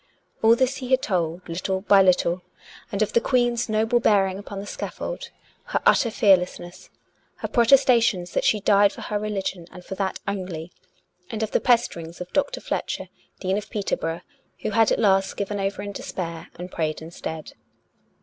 All this he had told, little by little; and of the Queen's noble bearing upon the scaffold, her utter fearlessness, her protestations that she died for her religion and for that only, and of the pesterings of Dr. Fletcher, Dean of Peter borough, who had at last given over in despair, and prayed instead.